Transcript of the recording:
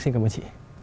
xin cảm ơn chị